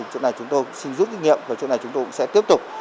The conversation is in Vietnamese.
chỗ này chúng tôi xin rút kinh nghiệm và chỗ này chúng tôi cũng sẽ tiếp tục